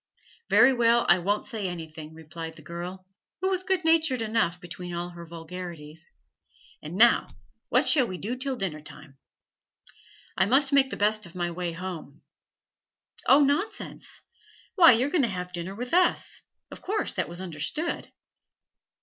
'Very well, I won't say anything,' replied the girl, who was good natured enough beneath all her vulgarities. 'And now what shall we do till dinner time?' 'I must make the best of my way home.' 'Oh, nonsense! Why, you're going to have dinner with us; of course that was understood.'